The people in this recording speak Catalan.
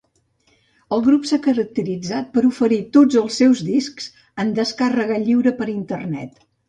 El grup s'ha caracteritzat per oferir tots els seus discs en descàrrega lliure per internet.